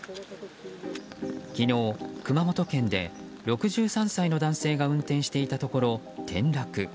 昨日、熊本県で６３歳の男性が運転していたところ転落。